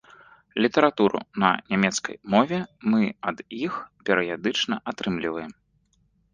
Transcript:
Літаратуру на нямецкай мове мы ад іх перыядычна атрымліваем.